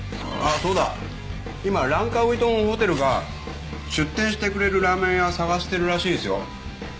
ああそうだ今ランカウイ島のホテルが出店してくれるラーメン屋探してるらしいですよ。